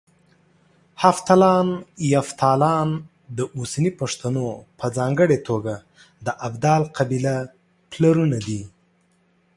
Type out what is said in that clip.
هفتلان، يفتالان د اوسني پښتنو په ځانګړه توګه د ابدال قبيله پلرونه دي